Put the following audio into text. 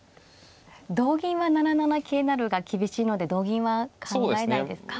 同銀は７七桂成が厳しいので同銀は考えないですか。